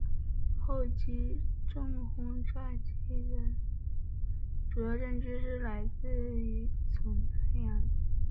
后期重轰炸期的主要证据是来自从太阳神计画采集的月球陨击熔岩的放射性测年。